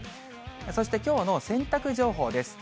そしてきょうの洗濯情報です。